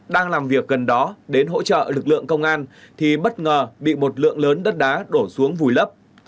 đang làm việc gần đó đến hỗ trợ lực lượng công an thì bất ngờ bị một lượng lớn đất đá đổ xuống vùi lấp